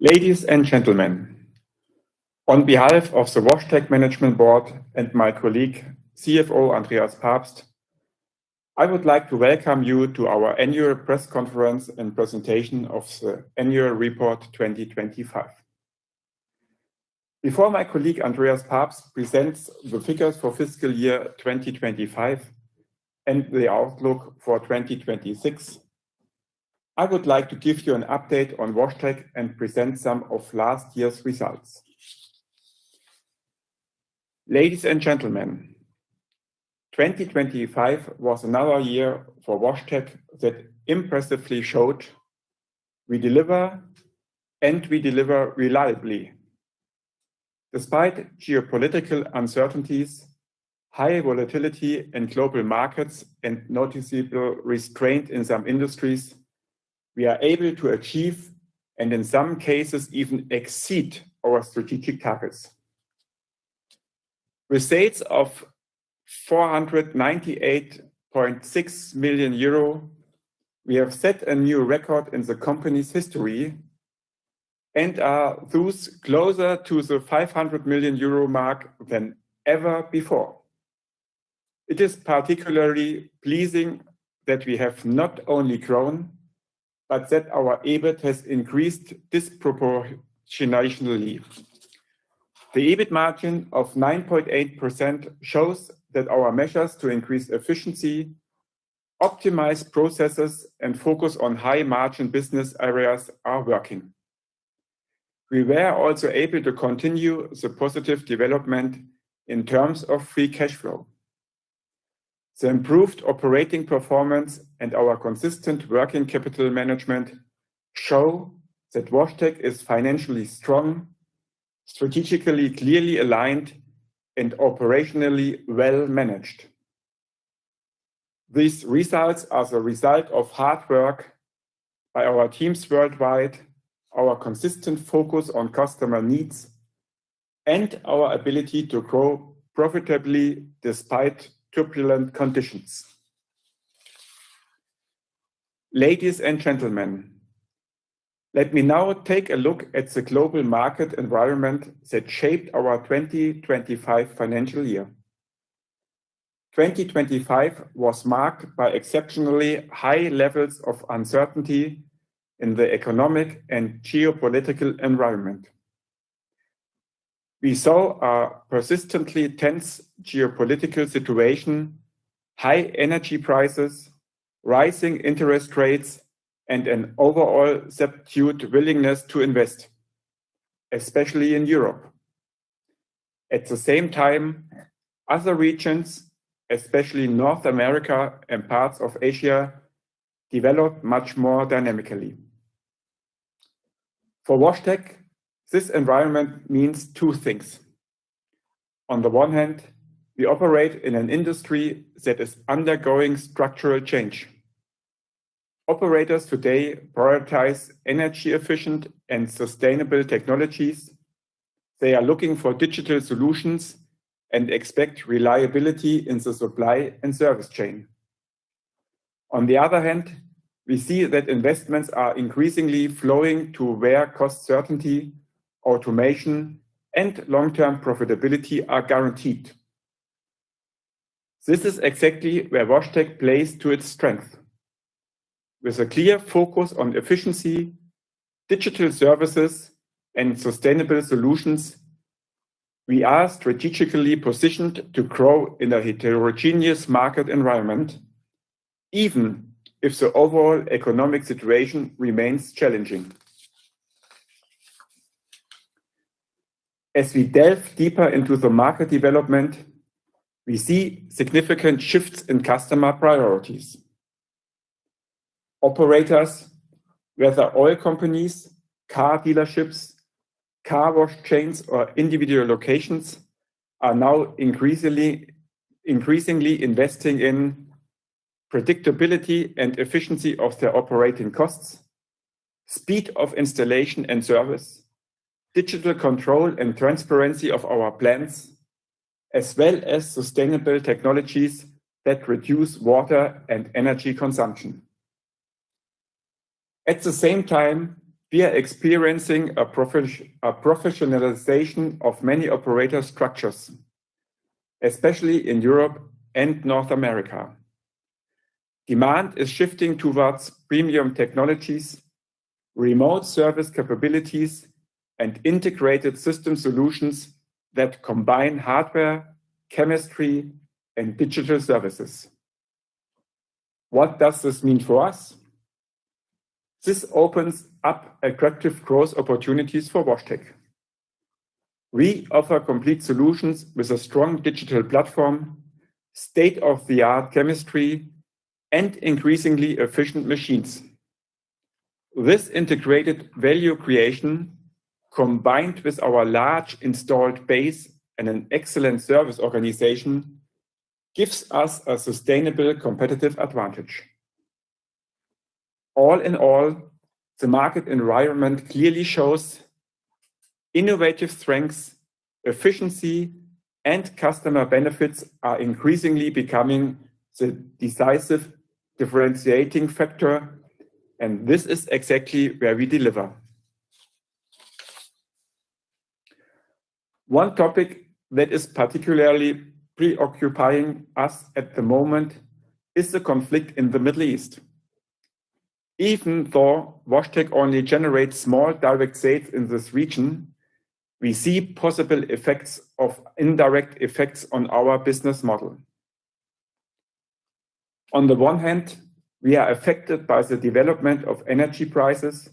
Ladies and gentlemen, on behalf of the WashTec management board and my colleague, CFO Andreas Pabst, I would like to welcome you to our Annual Press Conference and presentation of the Annual Report 2025. Before my colleague Andreas Pabst presents the figures for fiscal year 2025 and the outlook for 2026, I would like to give you an update on WashTec and present some of last year's results. Ladies and gentlemen, 2025 was another year for WashTec that impressively showed we deliver, and we deliver reliably. Despite geopolitical uncertainties, high volatility in global markets, and noticeable restraint in some industries, we are able to achieve and in some cases even exceed our strategic targets. With sales of 498.6 million euro, we have set a new record in the company's history and are thus closer to the 500 million euro mark than ever before. It is particularly pleasing that we have not only grown, but that our EBIT has increased disproportionately. The EBIT margin of 9.8% shows that our measures to increase efficiency, optimize processes, and focus on high-margin business areas are working. We were also able to continue the positive development in terms of free cash flow. The improved operating performance and our consistent working capital management show that WashTec is financially strong, strategically clearly aligned, and operationally well-managed. These results are the result of hard work by our teams worldwide, our consistent focus on customer needs, and our ability to grow profitably despite turbulent conditions. Ladies and gentlemen, let me now take a look at the global market environment that shaped our 2025 financial year. 2025 was marked by exceptionally high levels of uncertainty in the economic and geopolitical environment. We saw a persistently tense geopolitical situation, high energy prices, rising interest rates, and an overall subdued willingness to invest, especially in Europe. At the same time, other regions, especially North America and parts of Asia, developed much more dynamically. For WashTec, this environment means two things. On the one hand, we operate in an industry that is undergoing structural change. Operators today prioritize energy efficient and sustainable technologies. They are looking for digital solutions and expect reliability in the supply and service chain. On the other hand, we see that investments are increasingly flowing to where cost certainty, automation, and long-term profitability are guaranteed. This is exactly where WashTec plays to its strength. With a clear focus on efficiency, digital services, and sustainable solutions, we are strategically positioned to grow in a heterogeneous market environment, even if the overall economic situation remains challenging. As we delve deeper into the market development, we see significant shifts in customer priorities. Operators, whether oil companies, car dealerships, car wash chains, or individual locations, are now increasingly investing in predictability and efficiency of their operating costs, speed of installation and service, digital control and transparency of our plans, as well as sustainable technologies that reduce water and energy consumption. At the same time, we are experiencing a professionalization of many operator structures, especially in Europe and North America. Demand is shifting towards premium technologies, remote service capabilities, and integrated system solutions that combine hardware, chemistry, and digital services. What does this mean for us? This opens up attractive growth opportunities for WashTec. We offer complete solutions with a strong digital platform, state-of-the-art chemistry, and increasingly efficient machines. This integrated value creation, combined with our large installed base and an excellent service organization, gives us a sustainable competitive advantage. All in all, the market environment clearly shows. Innovative strengths, efficiency, and customer benefits are increasingly becoming the decisive differentiating factor, and this is exactly where we deliver. One topic that is particularly preoccupying us at the moment is the conflict in the Middle East. Even though WashTec only generates small direct sales in this region, we see possible effects of indirect effects on our business model. On the one hand, we are affected by the development of energy prices,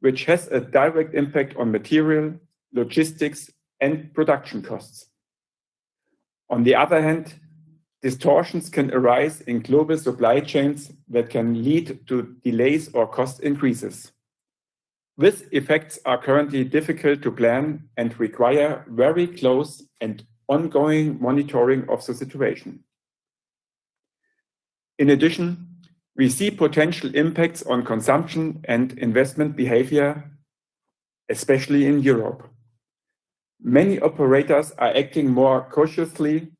which has a direct impact on material, logistics, and production costs. On the other hand, distortions can arise in global supply chains that can lead to delays or cost increases. These effects are currently difficult to plan and require very close and ongoing monitoring of the situation. In addition, we see potential impacts on consumption and investment behavior, especially in Europe. Many operators are acting more cautiously.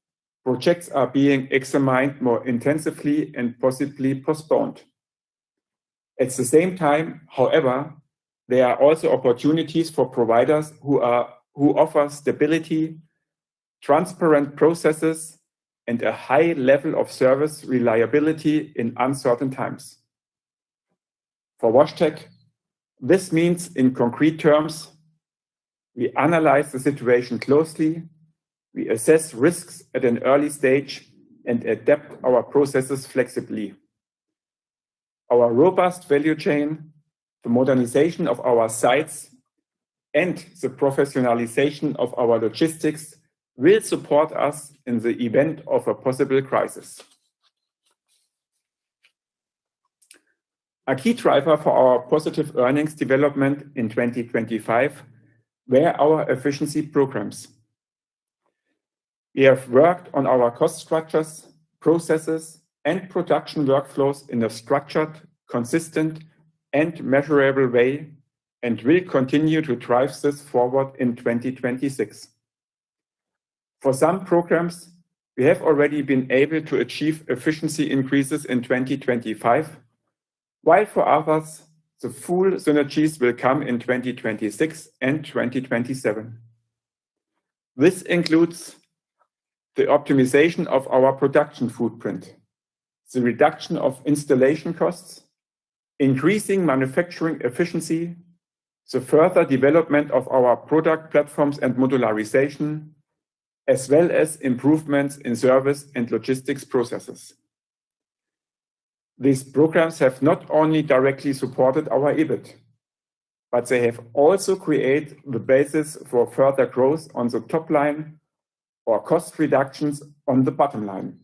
Projects are being examined more intensively and possibly postponed. At the same time, however, there are also opportunities for providers who offer stability, transparent processes, and a high level of service reliability in uncertain times. For WashTec, this means in concrete terms, we analyze the situation closely, we assess risks at an early stage, and adapt our processes flexibly. Our robust value chain, the modernization of our sites, and the professionalization of our logistics will support us in the event of a possible crisis. A key driver for our positive earnings development in 2025 were our efficiency programs. We have worked on our cost structures, processes, and production workflows in a structured, consistent, and measurable way, and we continue to drive this forward in 2026. For some programs, we have already been able to achieve efficiency increases in 2025, while for others, the full synergies will come in 2026 and 2027. This includes the optimization of our production footprint, the reduction of installation costs, increasing manufacturing efficiency, the further development of our product platforms and modularization, as well as improvements in service and logistics processes. These programs have not only directly supported our EBIT, but they have also create the basis for further growth on the top line or cost reductions on the bottom line,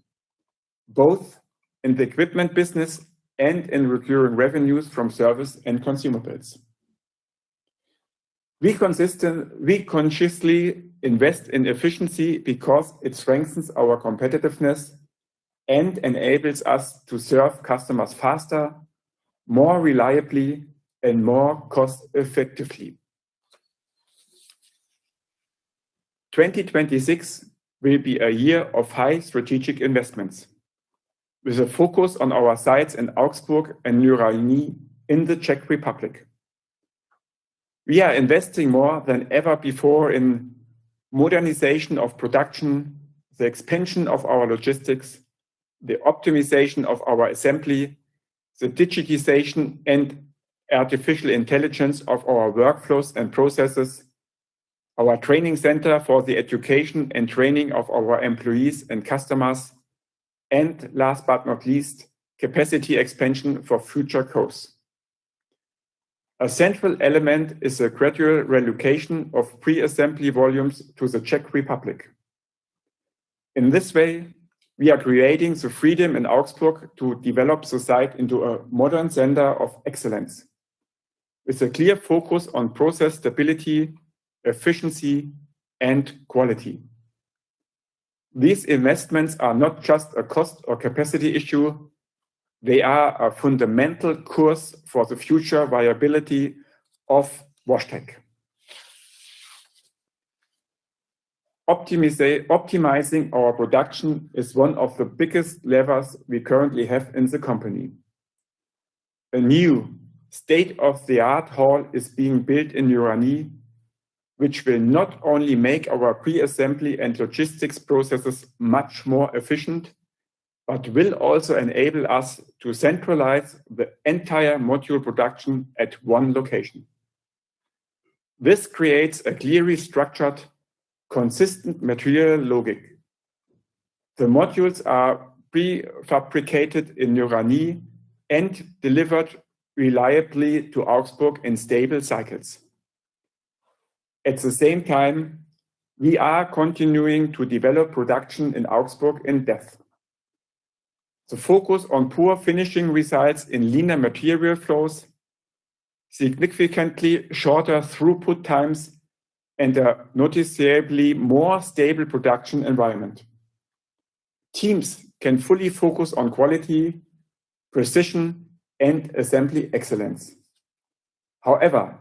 both in the equipment business and in recurring revenues from service and consumables. We consciously invest in efficiency because it strengthens our competitiveness and enables us to serve customers faster, more reliably, and more cost-effectively. 2026 will be a year of high strategic investments with a focus on our sites in Augsburg and Nýřany in the Czech Republic. We are investing more than ever before in modernization of production, the expansion of our logistics, the optimization of our assembly, the digitization and artificial intelligence of our workflows and processes, our training center for the education and training of our employees and customers, and last but not least, capacity expansion for future growth. A central element is a gradual relocation of pre-assembly volumes to the Czech Republic. In this way, we are creating the freedom in Augsburg to develop the site into a modern center of excellence with a clear focus on process stability, efficiency, and quality. These investments are not just a cost or capacity issue, they are a fundamental course for the future viability of WashTec. Optimizing our production is one of the biggest levers we currently have in the company. A new state-of-the-art hall is being built in Nýřany, which will not only make our pre-assembly and logistics processes much more efficient, but will also enable us to centralize the entire module production at one location. This creates a clearly structured, consistent material logic. The modules are prefabricated in Nýřany and delivered reliably to Augsburg in stable cycles. At the same time, we are continuing to develop production in Augsburg in depth. The focus on pure finishing results in linear material flows, significantly shorter throughput times, and a noticeably more stable production environment. Teams can fully focus on quality, precision, and assembly excellence. However,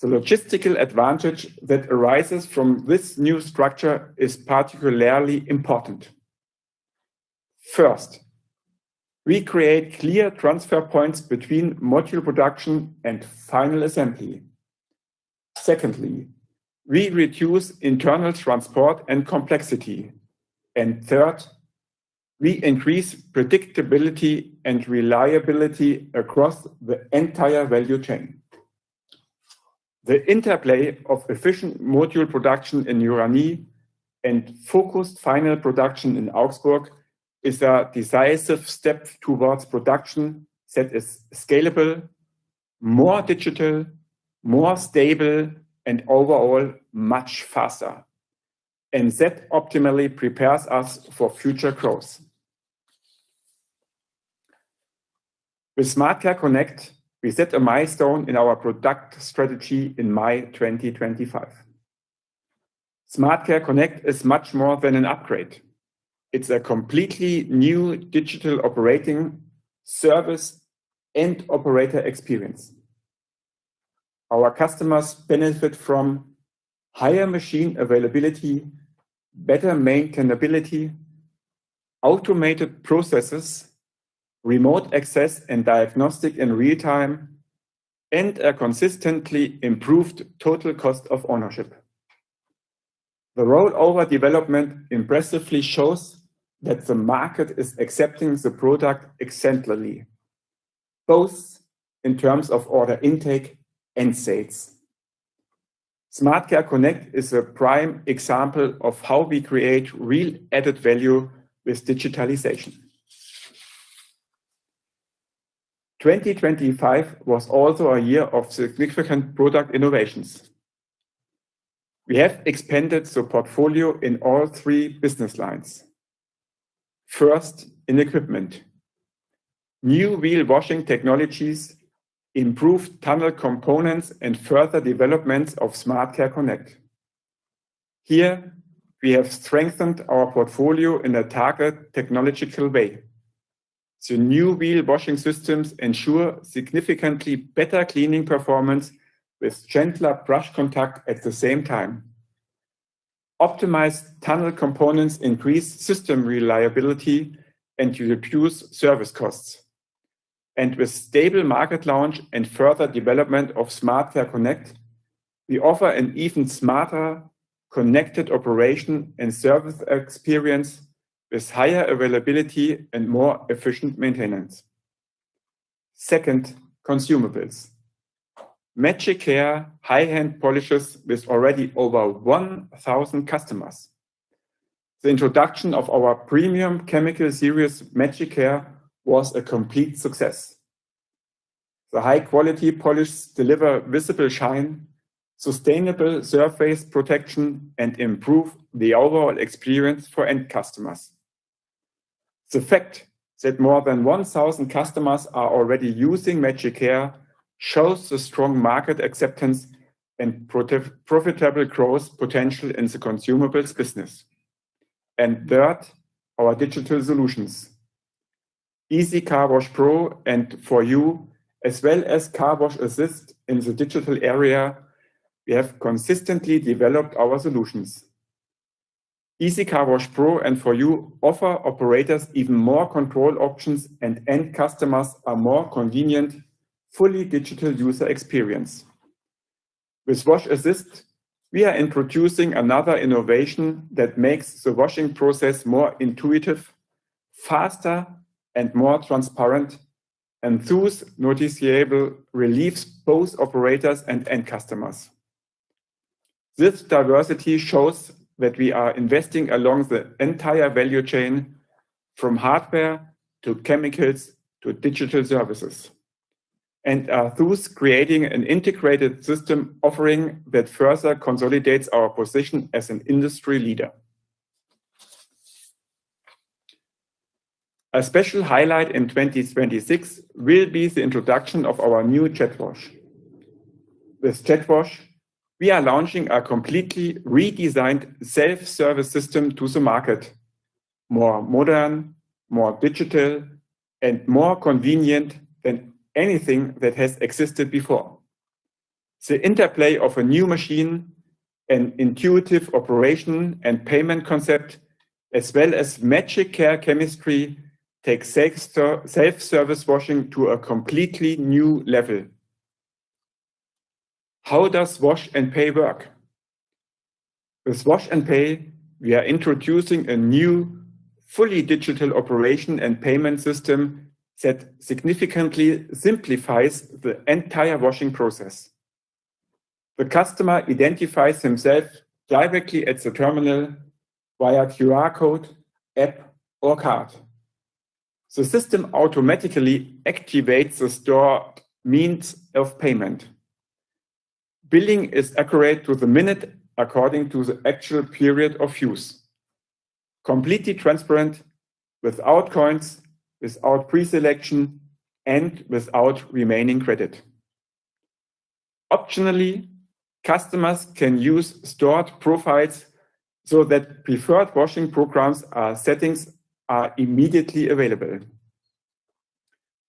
the logistical advantage that arises from this new structure is particularly important. First, we create clear transfer points between module production and final assembly. Secondly, we reduce internal transport and complexity. Third, we increase predictability and reliability across the entire value chain. The interplay of efficient module production in Nýřany and focused final production in Augsburg is a decisive step towards production that is scalable, more digital, more stable, and overall, much faster. That optimally prepares us for future growth. With SmartCare Connect, we set a milestone in our product strategy in May 2025. SmartCare Connect is much more than an upgrade. It's a completely new digital operating service and operator experience. Our customers benefit from higher machine availability, better maintainability, automated processes, remote access and diagnostic in real time, and a consistently improved total cost of ownership. The rollover development impressively shows that the market is accepting the product exceptionally, both in terms of order intake and sales. SmartCare Connect is a prime example of how we create real added value with digitalization. 2025 was also a year of significant product innovations. We have expanded the portfolio in all three business lines. First, in equipment. New wheel washing technologies, improved tunnel components, and further developments of SmartCare Connect. Here, we have strengthened our portfolio in a target technological way. The new wheel washing systems ensure significantly better cleaning performance with gentler brush contact at the same time. Optimized tunnel components increase system reliability and reduce service costs. With stable market launch and further development of SmartCare Connect, we offer an even smarter connected operation and service experience with higher availability and more efficient maintenance. Second, consumables. MagicCare high-end polishers with already over 1,000 customers. The introduction of our premium chemical series, MagicCare, was a complete success. The high-quality polish deliver visible shine, sustainable surface protection, and improve the overall experience for end customers. The fact that more than 1,000 customers are already using MagicCare shows the strong market acceptance and profitable growth potential in the consumables business. Third, our digital solutions. EasyCarWash PRO and 4U, as well as CarWash Assist in the digital area, we have consistently developed our solutions. EasyCarWash PRO and 4U offer operators even more control options and end customers a more convenient, fully digital user experience. With CarWash Assist, we are introducing another innovation that makes the washing process more intuitive, faster and more transparent, and thus noticeably relieves both operators and end customers. This diversity shows that we are investing along the entire value chain, from hardware to chemicals to digital services, and are thus creating an integrated system offering that further consolidates our position as an industry leader. A special highlight in 2026 will be the introduction of our new JetWash. With JetWash, we are launching a completely redesigned self-service system to the market. More modern, more digital, and more convenient than anything that has existed before. The interplay of a new machine, an intuitive operation and payment concept, as well as MagicCare chemistry, takes safe self-service washing to a completely new level. How does Wash&Pay work? With Wash&Pay, we are introducing a new, fully digital operation and payment system that significantly simplifies the entire washing process. The customer identifies himself directly at the terminal via QR code, app, or card. The system automatically activates the stored means of payment. Billing is accurate to the minute according to the actual period of use. Completely transparent, without coins, without pre-selection, and without remaining credit. Optionally, customers can use stored profiles so that preferred washing programs, settings are immediately available.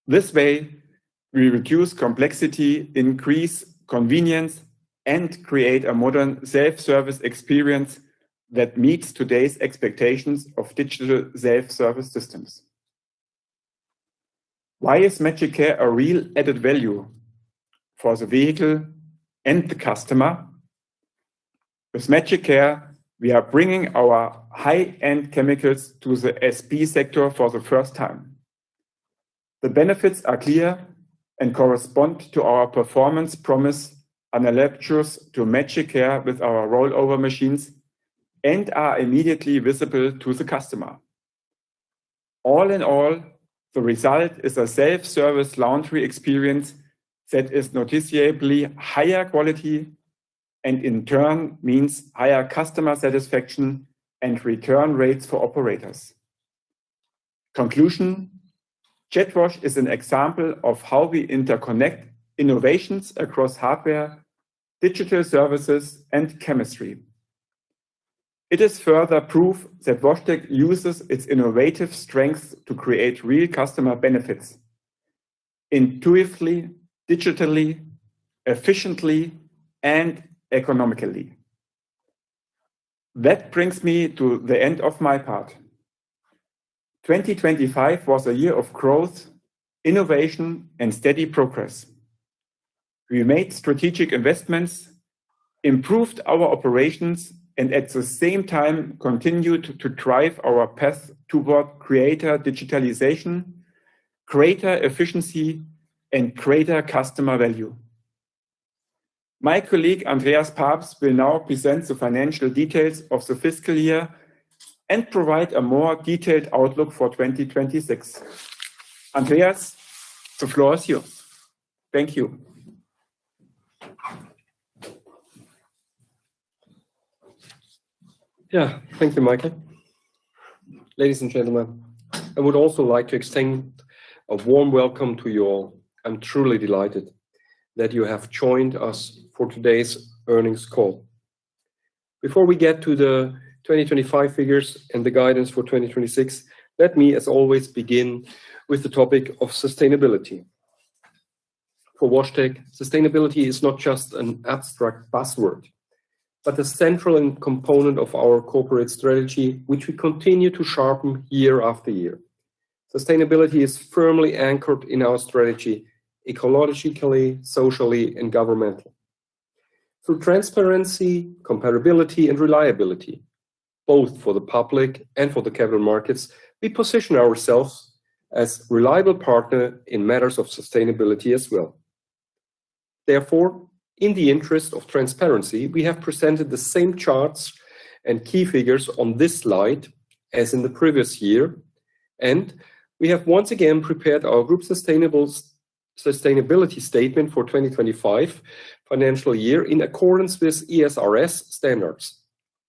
This way, we reduce complexity, increase convenience, and create a modern self-service experience that meets today's expectations of digital self-service systems. Why is MagicCare a real added value for the vehicle and the customer? With MagicCare, we are bringing our high-end chemicals to the self-service sector for the first time. The benefits are clear and correspond to our performance promise and the luster of MagicCare with our rollover machines and are immediately visible to the customer. All in all, the result is a self-service car wash experience that is noticeably higher quality and in turn means higher customer satisfaction and return rates for operators. Conclusion, JetWash is an example of how we interconnect innovations across hardware, digital services, and chemistry. It is further proof that WashTec uses its innovative strengths to create real customer benefits intuitively, digitally, efficiently, and economically. That brings me to the end of my part. 2025 was a year of growth, innovation, and steady progress. We made strategic investments, improved our operations, and at the same time continued to drive our path toward greater digitalization, greater efficiency, and greater customer value. My colleague, Andreas Pabst, will now present the financial details of the fiscal year and provide a more detailed outlook for 2026. Andreas, the floor is yours. Thank you. Yeah. Thank you, Michael. Ladies and gentlemen, I would also like to extend a warm welcome to you all. I'm truly delighted that you have joined us for today's earnings call. Before we get to the 2025 figures and the guidance for 2026, let me, as always, begin with the topic of sustainability. For WashTec, sustainability is not just an abstract buzzword, but a central component of our corporate strategy, which we continue to sharpen year after year. Sustainability is firmly anchored in our strategy ecologically, socially, and governance. Through transparency, comparability, and reliability, both for the public and for the capital markets, we position ourselves as a reliable partner in matters of sustainability as well. Therefore, in the interest of transparency, we have presented the same charts and key figures on this slide as in the previous year, and we have once again prepared our group sustainability statement for 2025 financial year in accordance with ESRS standards.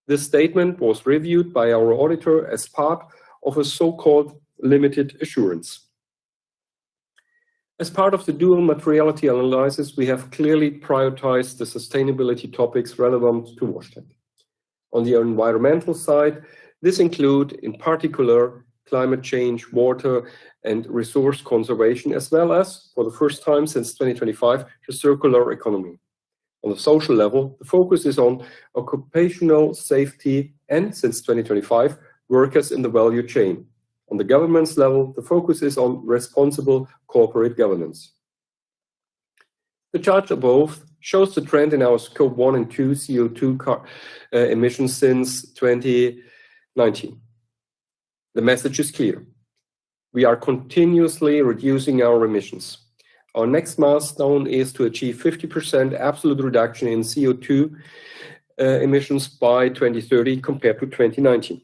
This statement was reviewed by our auditor as part of a so-called limited assurance. As part of the dual materiality analysis, we have clearly prioritized the sustainability topics relevant to WashTec. On the environmental side, this includes, in particular, climate change, water, and resource conservation, as well as, for the first time since 2025, the circular economy. On the social level, the focus is on occupational safety and, since 2025, workers in the value chain. On the governance level, the focus is on responsible corporate governance. The chart above shows the trend in our Scope 1 and 2 CO2 emissions since 2019. The message is clear. We are continuously reducing our emissions. Our next milestone is to achieve 50% absolute reduction in CO2 emissions by 2030 compared to 2019.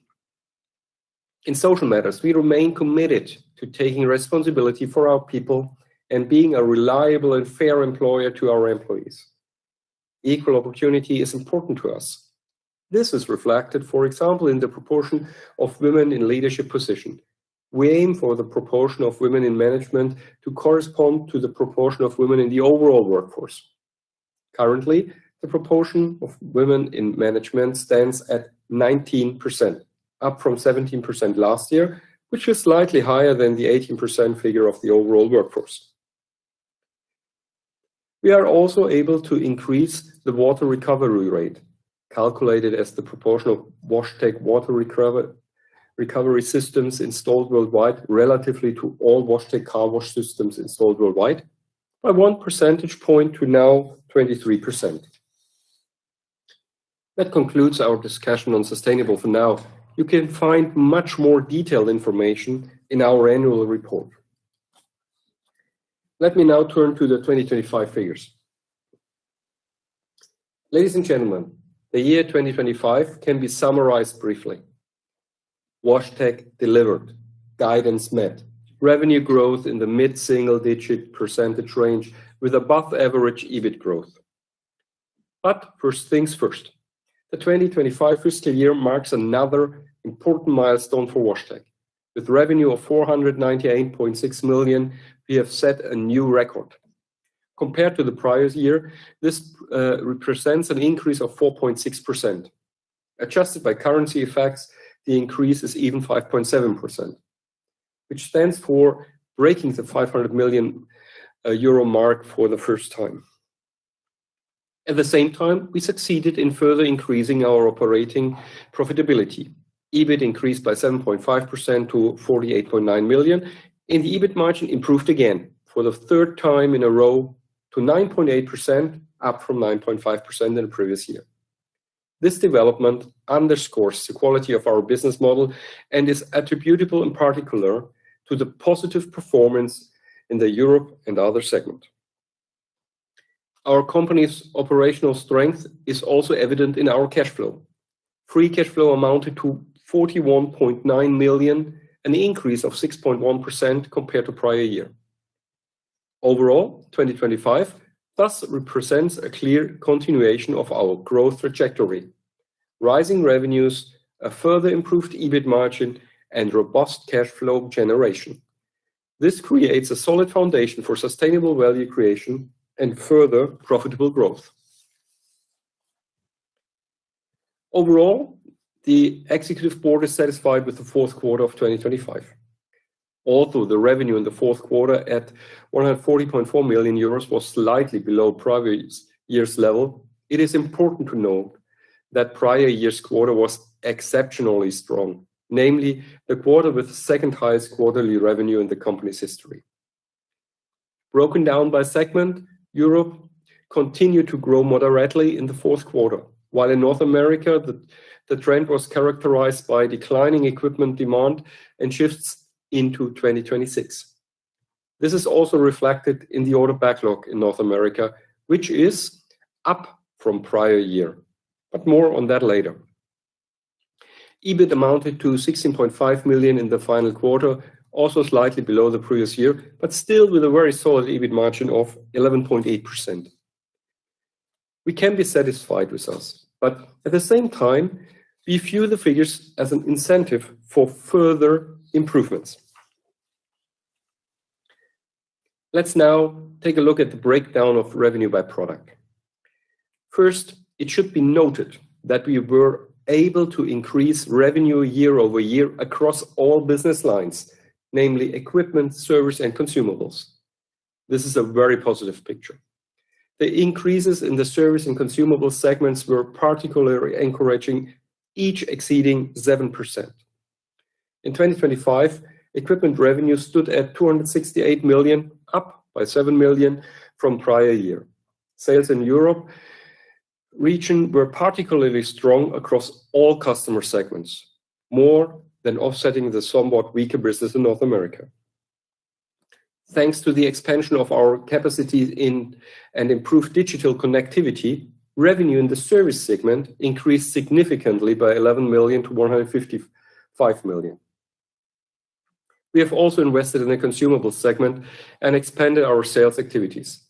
In social matters, we remain committed to taking responsibility for our people and being a reliable and fair employer to our employees. Equal opportunity is important to us. This is reflected, for example, in the proportion of women in leadership position. We aim for the proportion of women in management to correspond to the proportion of women in the overall workforce. Currently, the proportion of women in management stands at 19%, up from 17% last year, which is slightly higher than the 18% figure of the overall workforce. We are also able to increase the water recovery rate, calculated as the proportion of WashTec water recovery systems installed worldwide, relative to all WashTec car wash systems installed worldwide, by 1 percentage point to now 23%. That concludes our discussion on sustainability for now. You can find much more detailed information in our annual report. Let me now turn to the 2025 figures. Ladies and gentlemen, the year 2025 can be summarized briefly. WashTec delivered, guidance met, revenue growth in the mid-single-digit percentage range with above-average EBIT growth. First things first. The 2025 fiscal year marks another important milestone for WashTec. With revenue of 498.6 million, we have set a new record. Compared to the prior year, this represents an increase of 4.6%. Adjusted by currency effects, the increase is even 5.7%, which stands for breaking the 500 million euro mark for the first time. At the same time, we succeeded in further increasing our operating profitability. EBIT increased by 7.5% to 48.9 million, and the EBIT margin improved again for the third time in a row to 9.8%, up from 9.5% in the previous year. This development underscores the quality of our business model and is attributable in particular to the positive performance in the Europe and other segment. Our company's operational strength is also evident in our cash flow. Free cash flow amounted to 41.9 million, an increase of 6.1% compared to prior year. Overall, 2025 thus represents a clear continuation of our growth trajectory, rising revenues, a further improved EBIT margin, and robust cash flow generation. This creates a solid foundation for sustainable value creation and further profitable growth. Overall, the executive board is satisfied with the fourth quarter of 2025. Although the revenue in the fourth quarter at 140.4 million euros was slightly below prior year's level, it is important to note that prior year's quarter was exceptionally strong, namely the quarter with the second-highest quarterly revenue in the company's history. Broken down by segment, Europe continued to grow moderately in the fourth quarter, while in North America, the trend was characterized by declining equipment demand and shifts into 2026. This is also reflected in the order backlog in North America, which is up from prior year, but more on that later. EBIT amounted to 16.5 million in the final quarter, also slightly below the previous year, but still with a very solid EBIT margin of 11.8%. We can be satisfied with this, but at the same time, we view the figures as an incentive for further improvements. Let's now take a look at the breakdown of revenue by product. First, it should be noted that we were able to increase revenue year-over-year across all business lines, namely equipment, service, and consumables. This is a very positive picture. The increases in the service and consumables segments were particularly encouraging, each exceeding 7%. In 2025, equipment revenue stood at 268 million, up by 7 million from prior year. Sales in Europe region were particularly strong across all customer segments, more than offsetting the somewhat weaker business in North America. Thanks to the expansion of our capacities in an improved digital connectivity, revenue in the service segment increased significantly by 11 million to 155 million. We have also invested in the consumables segment and expanded our sales activities.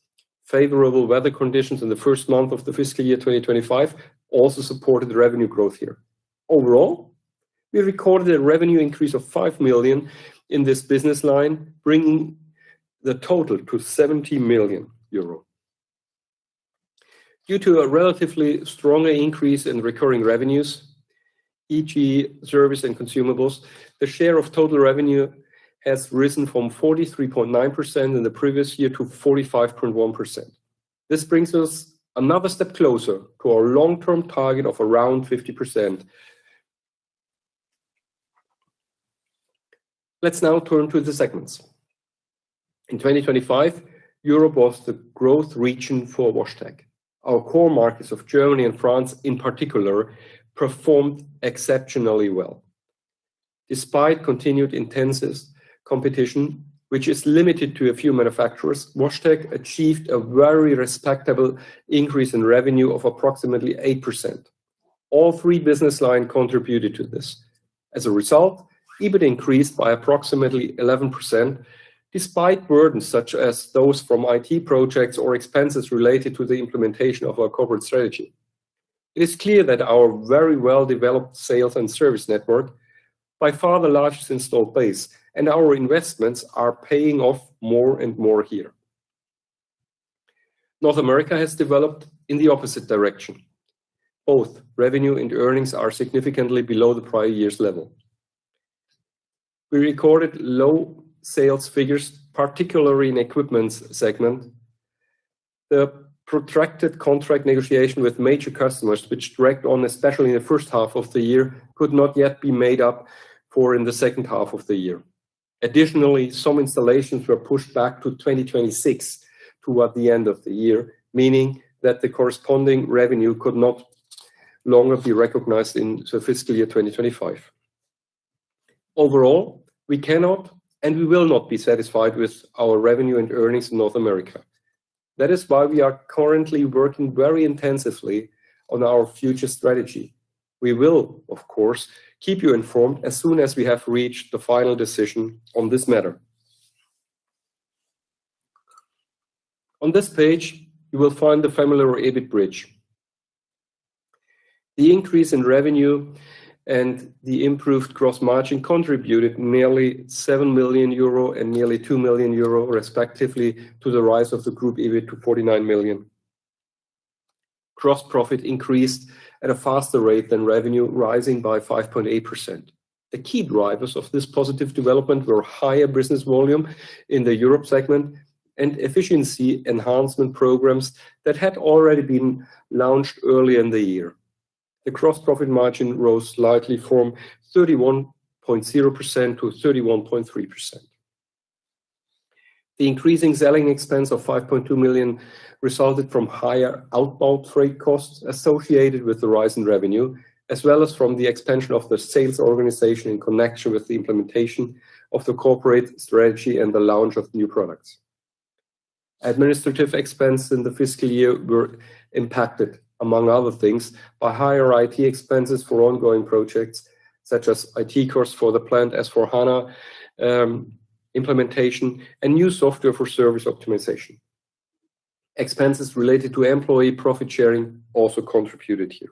Favorable weather conditions in the first month of the fiscal year 2025 also supported the revenue growth here. Overall, we recorded a revenue increase of 5 million in this business line, bringing the total to 70 million euro. Due to a relatively stronger increase in recurring revenues, e.g. Service and Consumables, the share of total revenue has risen from 43.9% in the previous year to 45.1%. This brings us another step closer to our long-term target of around 50%. Let's now turn to the segments. In 2025, Europe was the growth region for WashTec. Our core markets of Germany and France, in particular, performed exceptionally well. Despite continued intense competition, which is limited to a few manufacturers, WashTec achieved a very respectable increase in revenue of approximately 8%. All three business lines contributed to this. As a result, EBIT increased by approximately 11% despite burdens such as those from IT projects or expenses related to the implementation of our corporate strategy. It is clear that our very well-developed sales and service network, by far the largest installed base, and our investments are paying off more and more here. North America has developed in the opposite direction. Both revenue and earnings are significantly below the prior year's level. We recorded low sales figures, particularly in equipment segment. The protracted contract negotiation with major customers which dragged on especially in the first half of the year could not yet be made up for in the second half of the year. Additionally, some installations were pushed back to 2026 toward the end of the year, meaning that the corresponding revenue could no longer be recognized in the fiscal year 2025. Overall, we cannot, and we will not be satisfied with our revenue and earnings in North America. That is why we are currently working very intensively on our future strategy. We will, of course, keep you informed as soon as we have reached the final decision on this matter. On this page, you will find the familiar EBIT bridge. The increase in revenue and the improved gross margin contributed nearly 7 million euro and nearly 2 million euro respectively to the rise of the group EBIT to 49 million. Gross profit increased at a faster rate than revenue, rising by 5.8%. The key drivers of this positive development were higher business volume in the Europe segment and efficiency enhancement programs that had already been launched early in the year. The gross profit margin rose slightly from 31.0% to 31.3%. The increasing selling expense of 5.2 million resulted from higher outbound freight costs associated with the rise in revenue, as well as from the expansion of the sales organization in connection with the implementation of the corporate strategy and the launch of new products. Administrative expense in the fiscal year were impacted, among other things, by higher IT expenses for ongoing projects, such as IT costs for the SAP S/4HANA implementation and new software for service optimization. Expenses related to employee profit sharing also contributed here.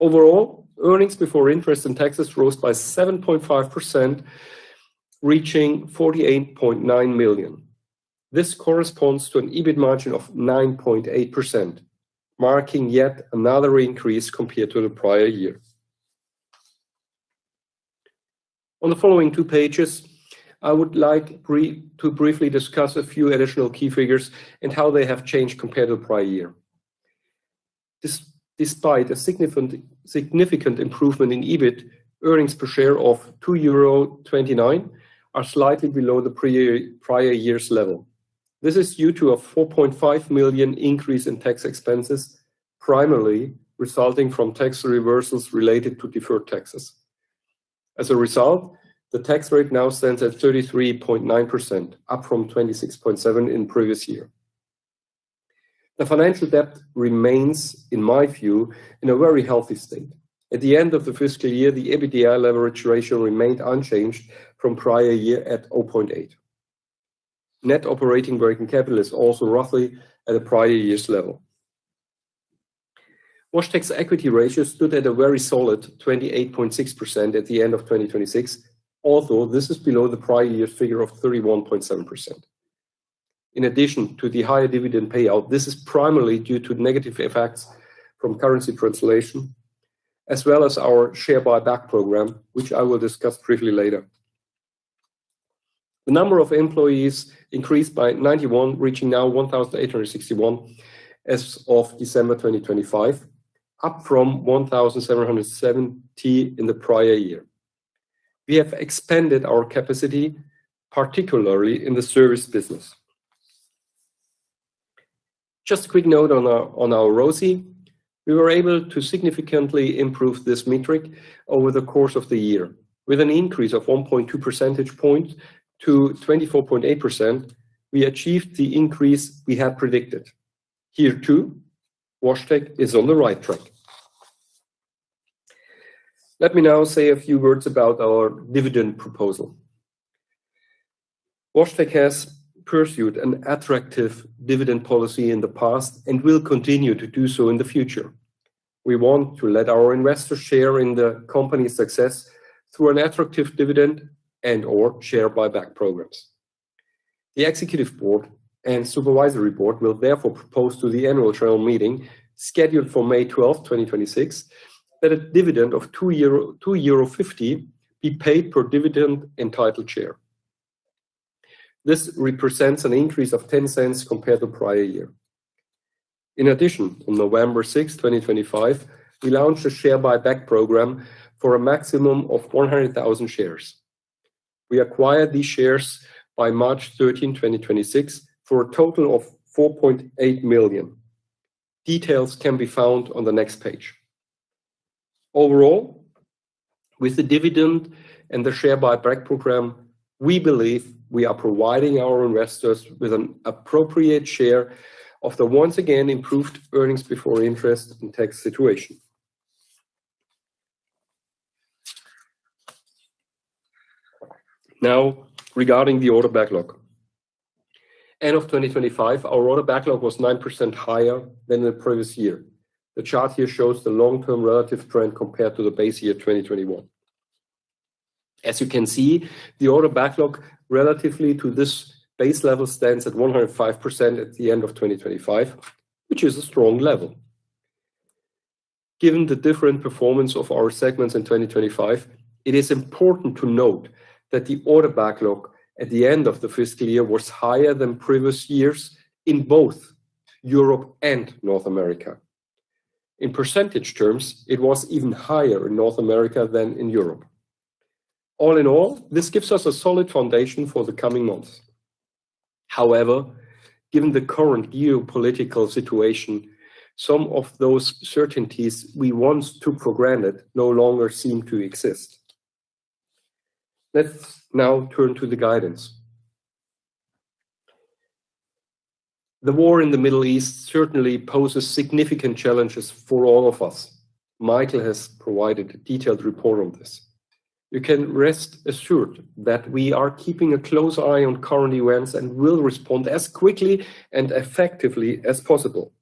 Overall, earnings before interest and taxes rose by 7.5%, reaching 48.9 million. This corresponds to an EBIT margin of 9.8%, marking yet another increase compared to the prior year. On the following two pages, I would like to briefly discuss a few additional key figures and how they have changed compared to the prior year. Despite a significant improvement in EBIT, earnings per share of 2.29 euro are slightly below the prior year's level. This is due to a 4.5 million increase in tax expenses, primarily resulting from tax reversals related to deferred taxes. As a result, the tax rate now stands at 33.9%, up from 26.7% in the previous year. The financial debt remains, in my view, in a very healthy state. At the end of the fiscal year, the EBITDA leverage ratio remained unchanged from prior year at 0.8. Net operating working capital is also roughly at the prior year's level. WashTec's equity ratio stood at a very solid 28.6% at the end of 2026, although this is below the prior year figure of 31.7%. In addition to the higher dividend payout, this is primarily due to negative effects from currency translation, as well as our share buyback program, which I will discuss briefly later. The number of employees increased by 91, reaching now 1,861 as of December 2025, up from 1,770 in the prior year. We have expanded our capacity, particularly in the service business. Just a quick note on our ROCE. We were able to significantly improve this metric over the course of the year. With an increase of 1.2 percentage points to 24.8%, we achieved the increase we had predicted. Here too, WashTec is on the right track. Let me now say a few words about our dividend proposal. WashTec has pursued an attractive dividend policy in the past and will continue to do so in the future. We want to let our investors share in the company's success through an attractive dividend and/or share buyback programs. The executive board and supervisory board will therefore propose to the Annual General Meeting, scheduled for May 12, 2026, that a dividend of 2.50 euro be paid per dividend entitled share. This represents an increase of 0.10 compared to prior year. In addition, on November 6, 2025, we launched a share buyback program for a maximum of 100,000 shares. We acquired these shares by March 13, 2026, for a total of 4.8 million. Details can be found on the next page. Overall, with the dividend and the share buyback program, we believe we are providing our investors with an appropriate share of the once again improved earnings before interest and taxes situation. Now, regarding the order backlog. End of 2025, our order backlog was 9% higher than the previous year. The chart here shows the long-term relative trend compared to the base year, 2021. As you can see, the order backlog relatively to this base level stands at 105% at the end of 2025, which is a strong level. Given the different performance of our segments in 2025, it is important to note that the order backlog at the end of the fiscal year was higher than previous years in both Europe and North America. In percentage terms, it was even higher in North America than in Europe. All in all, this gives us a solid foundation for the coming months. However, given the current geopolitical situation, some of those certainties we once took for granted no longer seem to exist. Let's now turn to the guidance. The war in the Middle East certainly poses significant challenges for all of us. Michael has provided a detailed report on this. You can rest assured that we are keeping a close eye on current events and will respond as quickly and effectively as possible.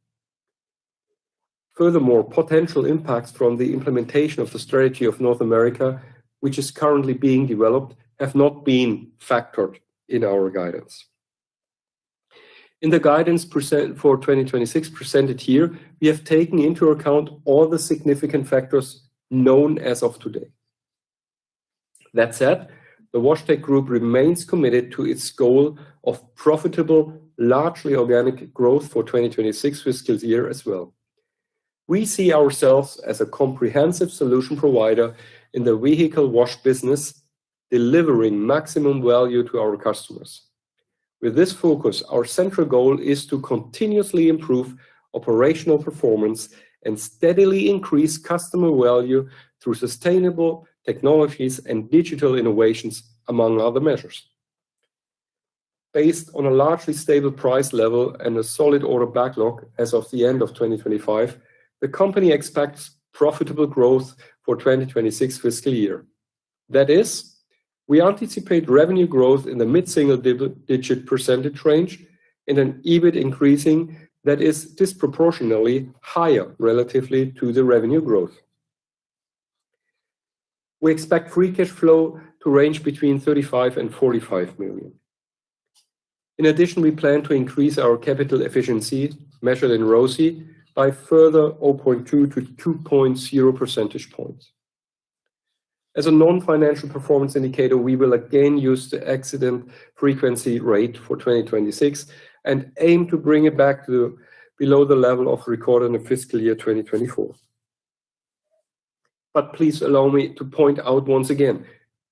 Furthermore, potential impacts from the implementation of the strategy of North America, which is currently being developed, have not been factored in our guidance. In the guidance for 2026 presented here, we have taken into account all the significant factors known as of today. That said, the WashTec Group remains committed to its goal of profitable, largely organic growth for 2026 fiscal year as well. We see ourselves as a comprehensive solution provider in the vehicle wash business, delivering maximum value to our customers. With this focus, our central goal is to continuously improve operational performance and steadily increase customer value through sustainable technologies and digital innovations, among other measures. Based on a largely stable price level and a solid order backlog as of the end of 2025, the company expects profitable growth for 2026 fiscal year. That is, we anticipate revenue growth in the mid-single-digit percentage range and an EBIT increasing that is disproportionately higher relatively to the revenue growth. We expect free cash flow to range between 35 million and 45 million. In addition, we plan to increase our capital efficiency, measured in ROCE, by further 0.2-2.0 percentage points. As a non-financial performance indicator, we will again use the Accident Frequency Rate for 2026 and aim to bring it back to below the level recorded in the fiscal year 2024. Please allow me to point out once again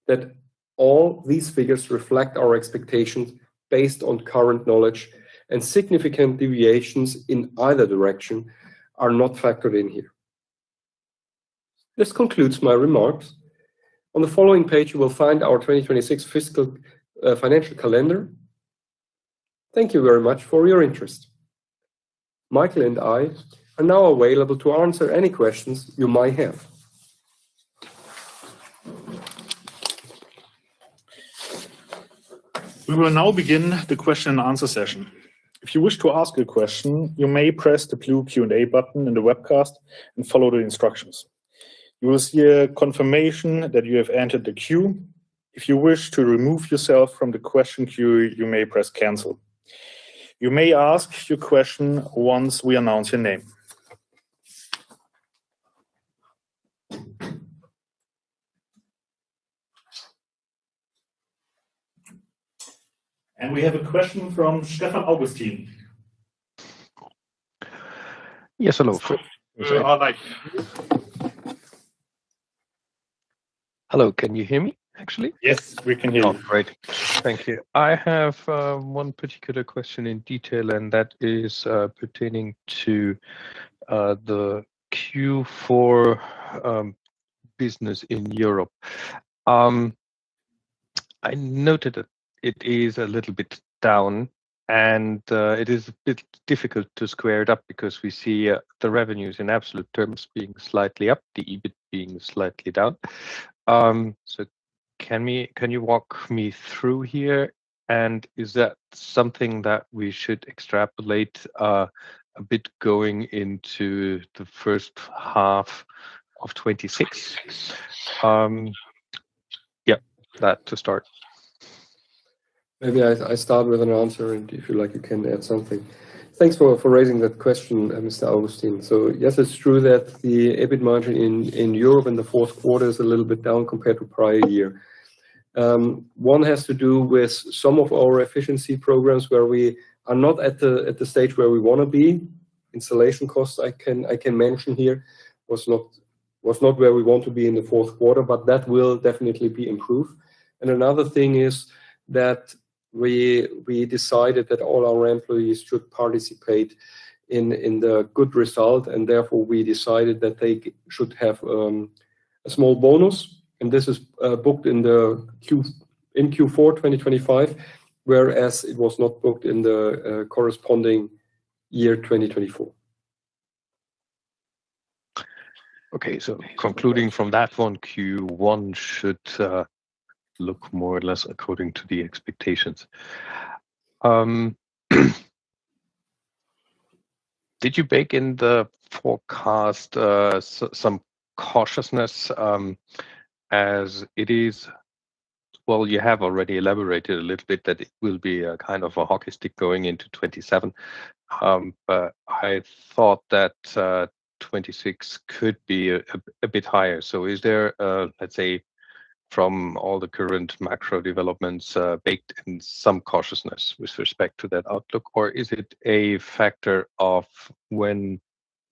that all these figures reflect our expectations based on current knowledge, and significant deviations in either direction are not factored in here. This concludes my remarks. On the following page, you will find our 2026 fiscal financial calendar. Thank you very much for your interest. Michael and I are now available to answer any questions you might have. We will now begin the question and answer session. If you wish to ask a question, you may press the blue Q&A button in the webcast and follow the instructions. You will see a confirmation that you have entered the queue. If you wish to remove yourself from the question queue, you may press Cancel. You may ask your question once we announce your name. We have a question from Stefan Augustin. Yes, hello. We are live. Hello. Can you hear me, actually? Yes, we can hear you. Oh, great. Thank you. I have one particular question in detail, and that is pertaining to the Q4 business in Europe. I noted it is a little bit down, and it is a bit difficult to square it up because we see the revenues in absolute terms being slightly up, the EBIT being slightly down. Can you walk me through here? Is that something that we should extrapolate a bit going into the first half of 2026? Yeah, that to start. Maybe I start with an answer, and if you like, you can add something. Thanks for raising that question, Mr. Augustin. Yes, it's true that the EBIT margin in Europe in the fourth quarter is a little bit down compared to prior year. One has to do with some of our efficiency programs where we are not at the stage where we wanna be. Installation costs, I can mention here, was not where we want to be in the fourth quarter, but that will definitely be improved. Another thing is that we decided that all our employees should participate in the good result, and therefore we decided that they should have a small bonus. This is booked in Q4 2025, whereas it was not booked in the corresponding year, 2024. Okay. Concluding from that one, Q1 should look more or less according to the expectations. Did you bake in the forecast, some cautiousness, as it is? Well, you have already elaborated a little bit that it will be a kind of a hockey stick going into 2027. I thought that, 2026 could be a bit higher. Is there, let's say, from all the current macro developments, baked in some cautiousness with respect to that outlook? Or is it a factor of when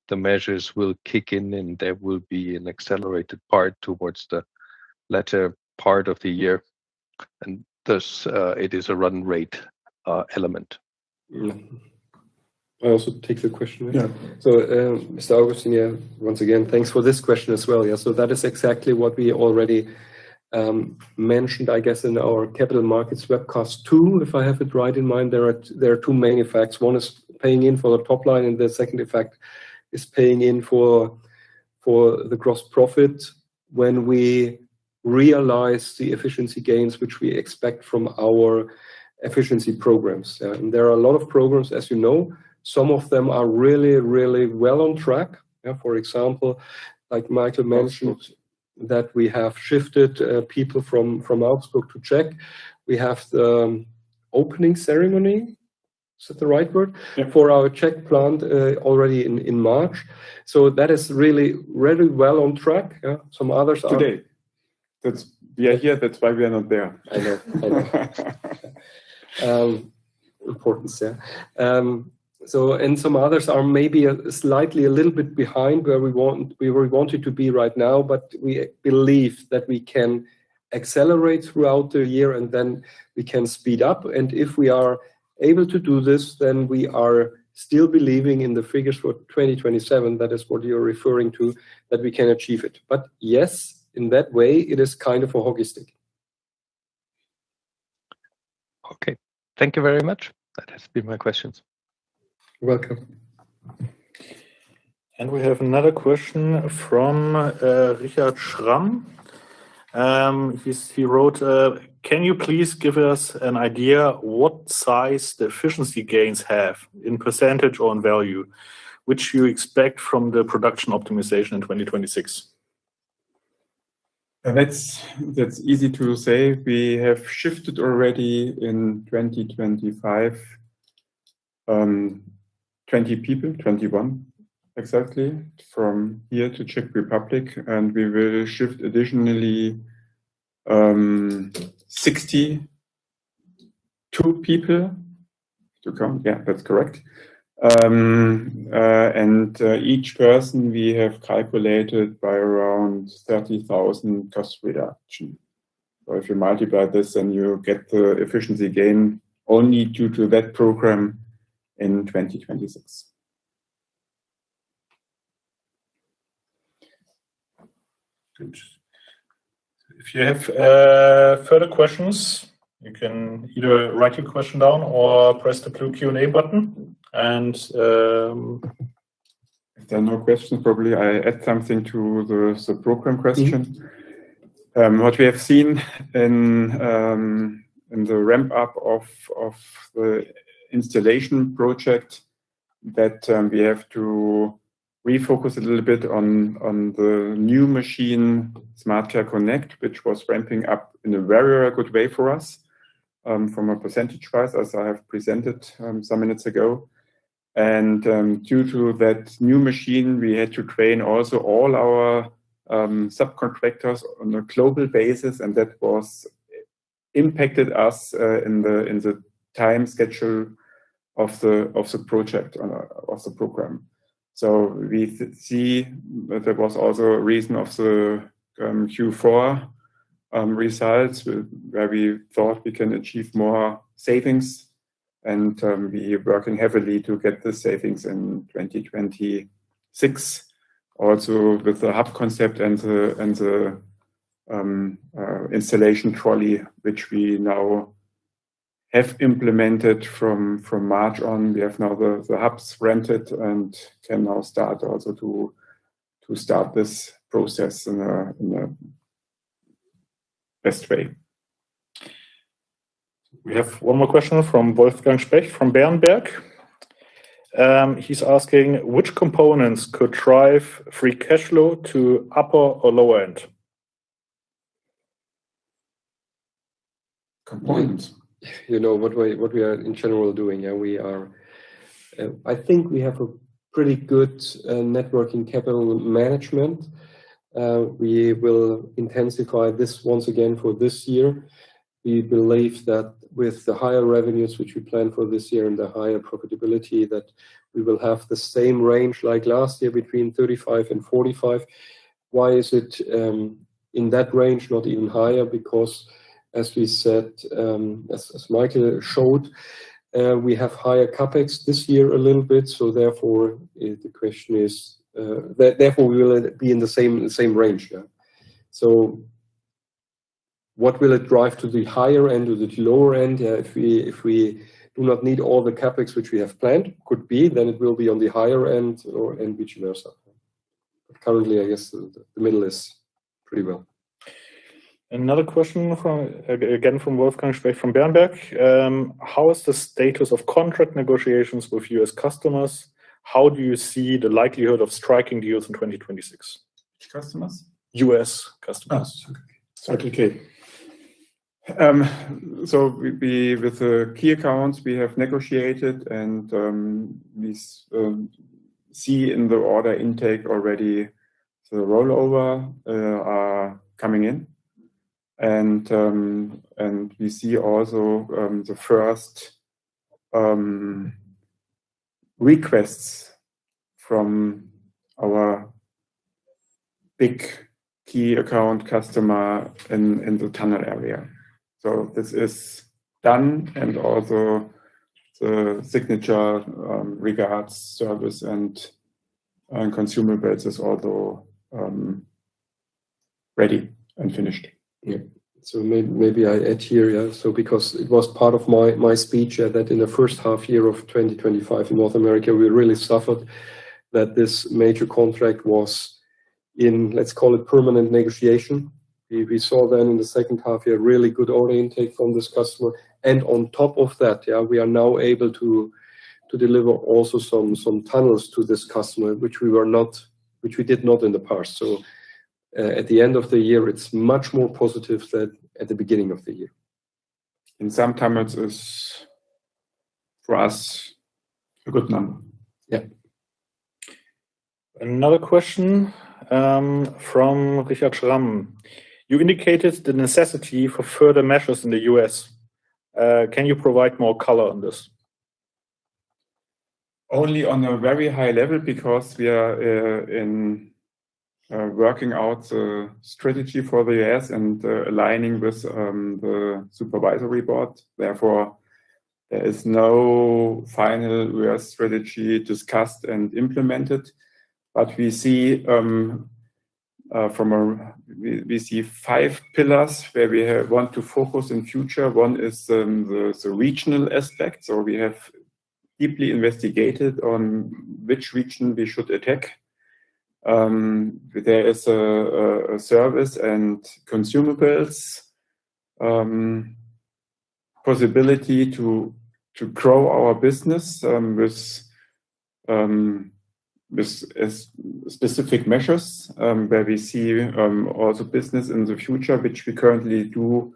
the measures will kick in and there will be an accelerated part towards the latter part of the year, and thus, it is a run rate element? I also take the question. Yeah. Mr. Augustin, yeah, once again, thanks for this question as well. Yeah, that is exactly what we already mentioned, I guess, in our capital markets webcast, too, if I have it right in mind. There are two main effects. One is paying in for the top line, and the second effect is paying in for the gross profit when we realize the efficiency gains which we expect from our efficiency programs. There are a lot of programs, as you know. Some of them are really well on track. For example, like Michael mentioned, that we have shifted people from Augsburg to Czech. We have the opening ceremony, is that the right word? Yeah. For our Czech plant, already in March. That is really, really well on track. Yeah. Today. We are here, that's why we are not there. I know. It's important, yeah. Some others are maybe slightly a little bit behind where we wanted to be right now, but we believe that we can accelerate throughout the year, and then we can speed up. If we are able to do this, then we are still believing in the figures for 2027, that is what you're referring to, that we can achieve it. Yes, in that way, it is kind of a hockey stick. Okay. Thank you very much. That has been my questions. You're welcome. We have another question from Richard Schramm. He wrote: Can you please give us an idea what size the efficiency gains have in percentage on value, which you expect from the production optimization in 2026? That's easy to say. We have shifted already in 2025, 20 people, 21 exactly, from here to Czech Republic, and we will shift additionally, 62 people to come. Yeah, that's correct. Each person we have calculated by around 30,000 cost reduction. If you multiply this, then you get the efficiency gain only due to that program in 2026. Good. If you have further questions, you can either write your question down or press the blue Q&A button and if there are no questions, probably I add something to the program question. What we have seen in the ramp-up of the installation project, that we have to refocus a little bit on the new machine, SmartCare Connect, which was ramping up in a very good way for us, from a percentage-wise, as I have presented some minutes ago. Due to that new machine, we had to train also all our subcontractors on a global basis, and that impacted us in the time schedule of the project of the program. We see that there was also a reason of the Q4 results where we thought we can achieve more savings, and we're working heavily to get the savings in 2026. Also, with the hub concept and the installation trolley, which we now have implemented from March on. We have now the hubs rented and can now start also to start this process in a best way. We have one more question from Wolfgang Specht from Berenberg. He's asking: Which components could drive free cash flow to upper or lower end? Components. You know we are in general doing. Yeah, we are. I think we have a pretty good net working capital management. We will intensify this once again for this year. We believe that with the higher revenues which we plan for this year and the higher profitability, that we will have the same range like last year, between 35 and 45. Why is it in that range, not even higher? Because as we said, as Michael showed, we have higher CapEx this year a little bit, so therefore the question is, therefore we will be in the same range. Yeah. What will it drive to the higher end or the lower end? Yeah, if we do not need all the CapEx which we have planned, could be, then it will be on the higher end or, and vice versa. Currently, I guess the middle is pretty well. Another question from, again from Wolfgang Specht from Berenberg. How is the status of contract negotiations with U.S. customers? How do you see the likelihood of striking deals in 2026? Which customers? U.S. customers. Oh, okay. With the key accounts, we have negotiated and we see in the order intake already the rollover are coming in. We see also the first requests from our big key account customer in the tunnel area. This is done and also the signature regarding service and consumer goods is also ready and finished. Yeah. Maybe I add here, yeah, because it was part of my speech that in the first half year of 2025 in North America, we really suffered that this major contract was in, let's call it, permanent negotiation. We saw then in the second half year really good order intake from this customer. On top of that, yeah, we are now able to deliver also some tunnels to this customer, which we did not in the past. At the end of the year, it's much more positive than at the beginning of the year. In some terms it's, for us, a good number. Yeah. Another question from Richard Schramm. You indicated the necessity for further measures in the U.S. Can you provide more color on this? Only on a very high level because we are working out a strategy for the U.S. and aligning with the supervisory board. Therefore, there is no final U.S. strategy discussed and implemented. We see five pillars where we want to focus in future. One is the regional aspect. We have deeply investigated on which region we should attack. There is a service and consumables possibility to grow our business with specific measures where we see all the business in the future, which we currently do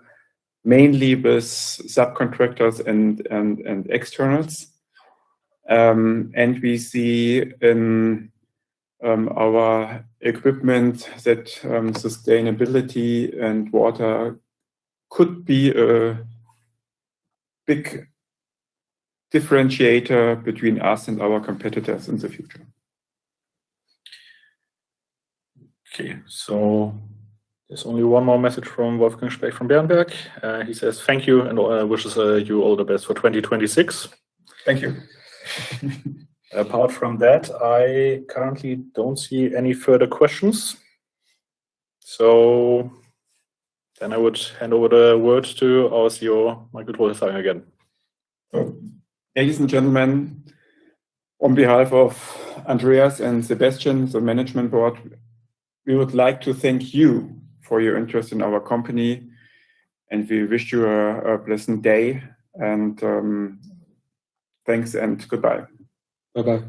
mainly with subcontractors and externals. We see in our equipment that sustainability and water could be a big differentiator between us and our competitors in the future. Okay. There's only one more message from Wolfgang Specht from Berenberg. He says thank you and wishes you all the best for 2026. Thank you. Apart from that, I currently don't see any further questions. I would hand over the word to our CEO, Michael Drolshagen again. Ladies and gentlemen, on behalf of Andreas and Sebastian, the Management Board, we would like to thank you for your interest in our company, and we wish you a pleasant day and thanks and goodbye. Bye-bye.